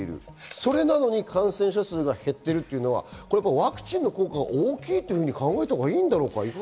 それなのに感染者数が減っているというのはワクチンの効果が大きいと考えたほうがいいんだろうか。